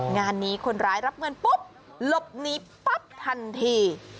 งานนี้คนร้ายรับเงินปุ๊บหลบหนีปั๊บทันที